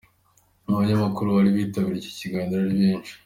Abanyamakuru bari bitabiriye iki kiganiro ari benshi.